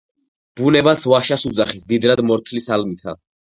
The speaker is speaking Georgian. ბუნებაც "ვაშას" უძახის მდიდრად მორთლის ალმითა.